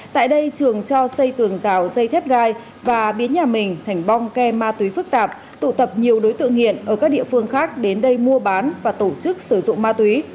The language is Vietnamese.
tại đây trường cho xây tường rào dây thép gai và biến nhà mình thành bong ke ma túy phức tạp tụ tập nhiều đối tượng nghiện ở các địa phương khác đến đây mua bán và tổ chức sử dụng ma túy